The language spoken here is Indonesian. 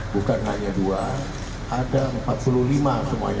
bukan hanya dua ada empat puluh lima semuanya